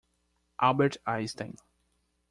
Albert Einstein.